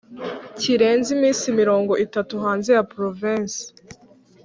kirenze iminsi mirongo itatu hanze ya Porovensi